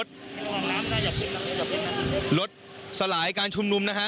ซึ่งบริเวณด้านซ้ายมือนะตรงนี้นะฮะก็ยังคงมีรถรถสลายการชุมนุมนะฮะ